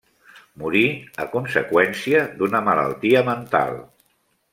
Morí a conseqüència d'una malaltia mental.